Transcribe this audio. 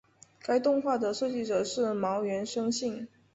该动画的设计者是茅原伸幸。